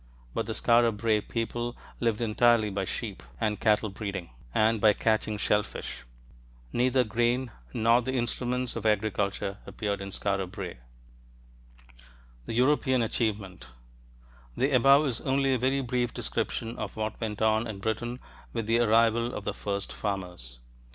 But the Skara Brae people lived entirely by sheep and cattle breeding, and by catching shellfish. Neither grain nor the instruments of agriculture appeared at Skara Brae. THE EUROPEAN ACHIEVEMENT The above is only a very brief description of what went on in Britain with the arrival of the first farmers.